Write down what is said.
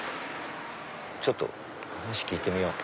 ちょっと話聞いてみよう。